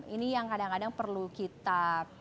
ini yang kadang kadang perlu kita